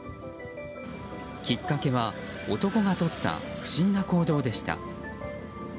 きっかけは、男がとった不審な行動でした。